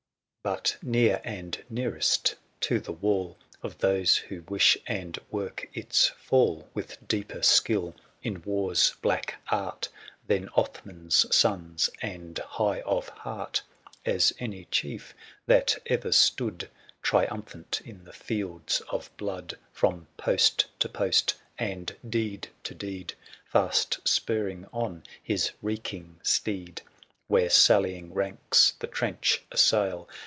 But near and nearest to the wall .♦^i?^ t«»^ 50 Of those who wish and work its fall, With deeper skill in war's black art ng gifj[ ■ Than Othman's sons, and high of heart ^T As any chief that ever stood Triumphant in the fields of blood ; 55 From post to post, and deed to deed. Fast spurring on his reeking steed. 10 THE SIEGE OF CORINTH. Where sallying ranks the trench assail